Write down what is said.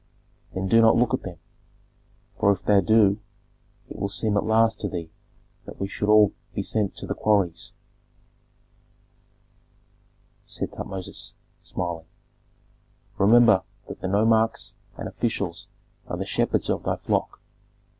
"Then do not look at them; for if thou do, it will seem at last to thee that we should all be sent to the quarries," said Tutmosis, smiling. "Remember that the nomarchs and officials are the shepherds of thy flock.